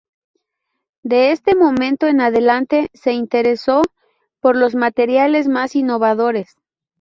De este momento en adelante se interesó por los materiales más innovadores.